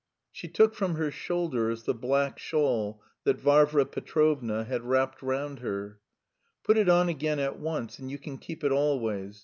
She took from her shoulders the black shawl that Varvara Petrovna had wrapped round her. "Put it on again at once, and you can keep it always.